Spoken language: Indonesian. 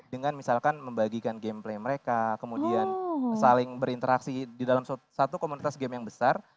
dengan misalkan membagikan game play mereka kemudian saling berinteraksi di dalam satu komunitas game yang besar